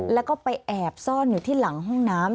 แล้วก็ไปแอบซ่อนอยู่ที่หลังห้องน้ำ